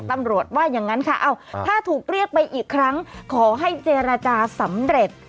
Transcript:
ตำรวจว่าอย่างนั้นค่ะถ้าถูกเรียกไปอีกครั้งขอให้เจรจาสำเร็จ